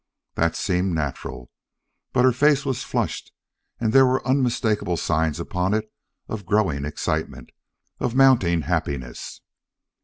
That seemed natural. But her face was flushed and there were unmistakable signs upon it of growing excitement, of mounting happiness.